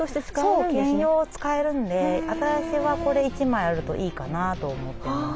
そう兼用使えるんで私はこれ１枚あるといいかなと思ってます。